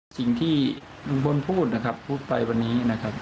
สิ่งที่ลุงพลพูดนะครับพูดไปวันนี้นะครับ